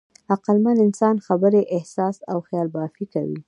عقلمن انسان خبرې، احساس او خیالبافي کوي.